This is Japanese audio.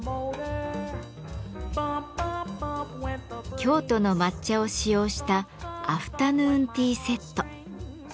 京都の抹茶を使用したアフタヌーンティーセット。